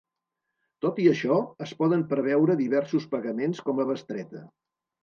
Tot i això, es poden preveure diversos pagaments com a bestreta.